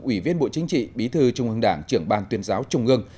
ủy viên bộ chính trị bí thư trung ương đảng trưởng ban tuyên giáo trung ương